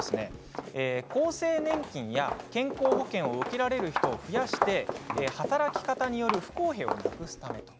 厚生年金や健康保険を受けられる人を増やして働き方による不公平をなくすため。